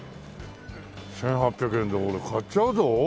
１８００円で俺買っちゃうぞ。